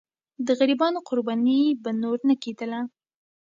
د غریبانو قرباني به نور نه کېدله.